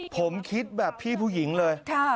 ผมคิดแบบพี่ผู้หญิงเลย